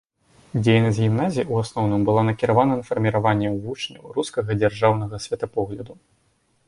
Дзейнасць гімназіі ў асноўным была накіравана на фарміраванне ў вучняў рускага дзяржаўнага светапогляду.